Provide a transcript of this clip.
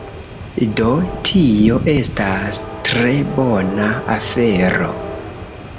Do, tio estas tre bona afero